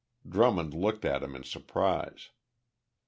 Drummond looked at him in surprise.